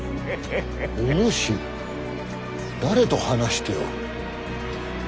お主誰と話しておる？